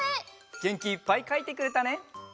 げんきいっぱいかいてくれたね。